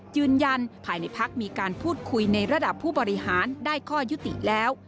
ยืนยันภายในพักมีการพูดคุยในระดับผู้บริหารได้ข้อยุติแล้ว